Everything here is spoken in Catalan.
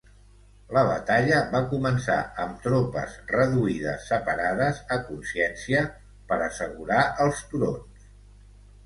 La batalla va començar amb tropes reduïdes separades a consciència per assegurar els turons.